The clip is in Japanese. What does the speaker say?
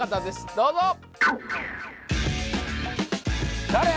どうぞ誰？